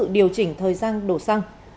điều chỉnh thời gian đồ xăng